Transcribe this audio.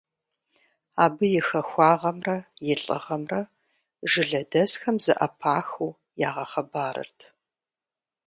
Абы и хахуагъэмрэ и лӀыгъэмрэ жылэдэсхэм зэӀэпахыу ягъэхъыбарырт.